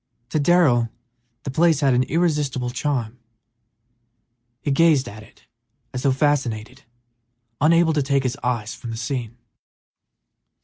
To Darrell the place had an irresistible charm; he gazed at it as though fascinated, unable to take his eyes from the scene.